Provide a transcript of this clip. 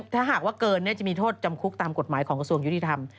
ถ้าหากว่าเกินจะมีโทษจำคุกตามกฎหมายของกระทรวงยุติธรรม